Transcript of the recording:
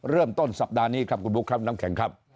เริ่มต้นสัปดาห์นี้ครับคุณบุ๊คครับน้ำแข็งครับ